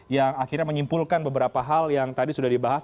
yang akhirnya menyimpulkan beberapa hal yang tadi sudah dibahas